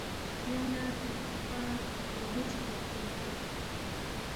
بیا نہ کرُو بجی پا ہرکونگبُو چِک یودپی اِنسُوک